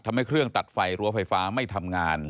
เครื่องตัดไฟรั้วไฟฟ้าไม่ทำงาน